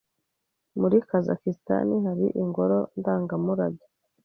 Muri Kazakisitani hari ingoro ndangamurage